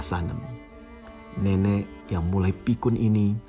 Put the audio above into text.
tinggal tepat selanjut ini